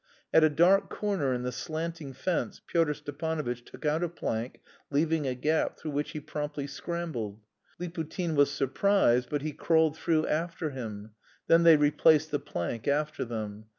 At a dark corner in the slanting fence Pyotr Stepanovitch took out a plank, leaving a gap, through which he promptly scrambled. Liputin was surprised, but he crawled through after him; then they replaced the plank after them.